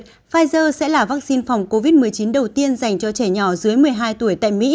pfizer sẽ là vaccine phòng covid một mươi chín đầu tiên dành cho trẻ nhỏ dưới một mươi hai tuổi tại mỹ